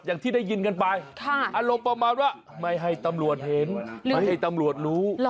อย่างที่ได้ยินกันไปอารมณ์ประมาณว่าไม่ให้ตำรวจเห็นไม่ให้ตำรวจรู้